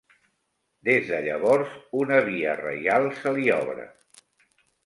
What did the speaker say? Des de llavors una via reial se li obre.